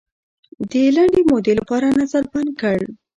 د لنډې مودې لپاره نظر بند کړ.